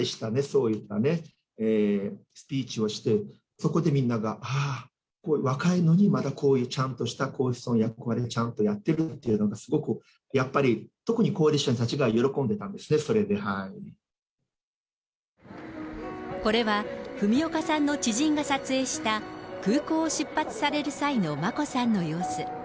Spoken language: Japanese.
彼女がスピーチしたときに、若いプリンセスなのに、すごいしっかりした、そういったスピーチをして、そこでみんなが、ああ、若いのに、またこういう、ちゃんとした皇室の役割をちゃんとやってるっていうのが、すごくやっぱり、特に高齢者の方たちが喜んでこれは文岡さんの知人が撮影した、空港を出発される際の眞子さんの様子。